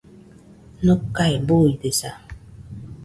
Nokae buidesa